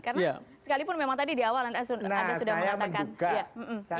karena sekalipun memang tadi di awal anda sudah mengatakan